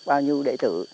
bao nhiêu đệ tử